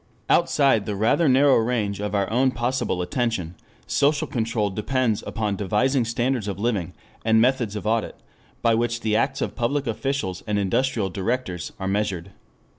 Outside the rather narrow range of our own possible attention, social control depends upon devising standards of living and methods of audit by which the acts of public officials and industrial directors are measured.